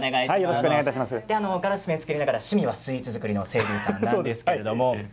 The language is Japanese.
ガラスペンを作りながら趣味はスイーツ作りの清流さんです。